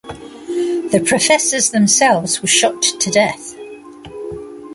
The professors themselves were shot to death.